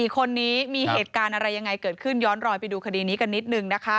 ๔คนนี้มีเหตุการณ์อะไรยังไงเกิดขึ้นย้อนรอยไปดูคดีนี้กันนิดนึงนะคะ